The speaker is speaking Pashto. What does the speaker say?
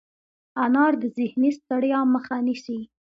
انار د ذهني ستړیا مخه نیسي.